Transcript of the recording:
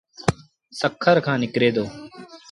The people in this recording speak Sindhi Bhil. سکر کآݩ نڪري دو۔